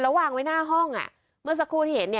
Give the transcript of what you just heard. แล้ววางไว้หน้าห้องอ่ะเมื่อสักครู่ที่เห็นเนี่ย